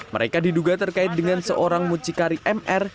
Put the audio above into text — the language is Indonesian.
mereka diduga terkait dengan seorang mucikari mr